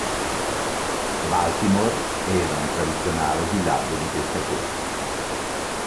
Baltimore era un tradizionale villaggio di pescatori.